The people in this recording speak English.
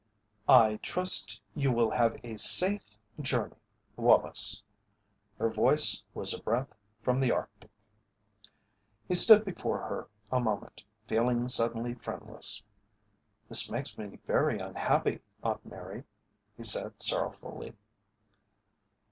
"I trust you will have a safe journey, Wallace." Her voice was a breath from the Arctic. He stood before her a moment feeling suddenly friendless. "This makes me very unhappy, Aunt Mary," he said, sorrowfully.